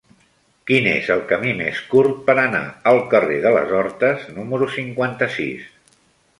Quin és el camí més curt per anar al carrer de les Hortes número cinquanta-sis?